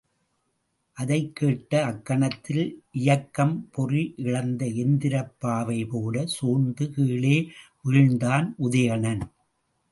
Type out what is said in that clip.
அதைக் கேட்ட அக்கணத்தில் இயக்கும் பொறி இழந்த எந்திரப் பாவை போலச் சோர்ந்து கீழே வீழ்ந்தான் உதயணன்.